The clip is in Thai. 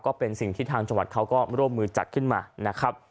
ก็เป็นสิ่งที่ทางจังหวัดเขาก็ร่วมมือจัดขึ้นมานะครับ